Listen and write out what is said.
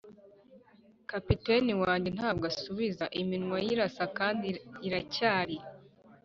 kapiteni wanjye ntabwo asubiza, iminwa ye irasa kandi iracyari,